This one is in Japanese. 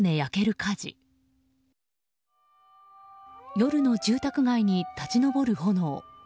夜の住宅街に立ち上る炎。